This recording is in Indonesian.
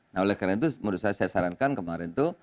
nah oleh karena itu menurut saya saya sarankan kemarin itu